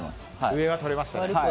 上は取れましたね。